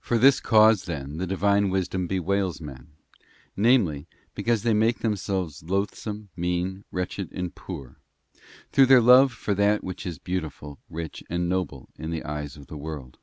For this cause, then, the Divine Wisdom bewails men; namely, because they make themselves loathsome, mean, wretched and poor, through their love for that which is beautiful, rich, and noble in the eyes of the world.